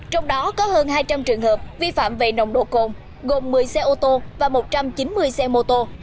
trong đó có hơn hai trăm linh trường hợp vi phạm về nồng độ cồn gồm một mươi xe ô tô và một trăm chín mươi xe mô tô